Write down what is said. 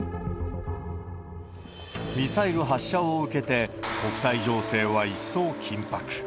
ミサイル発射を受けて、国際情勢は一層緊迫。